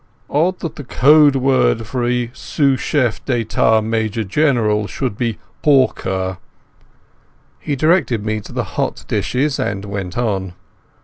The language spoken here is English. Odd that the code word for a Sous chef d'État Major General should be 'Porker.'" He directed me to the hot dishes and went on.